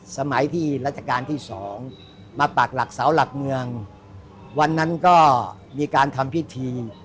สมัยที่รัชกาลที่สองมาปากหลักเสาหลักเมืองวันนั้นก็มีการทำพิธี